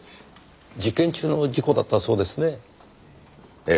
実験中の事故だったそうですね。